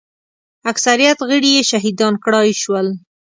اکثریت غړي یې شهیدان کړای شول.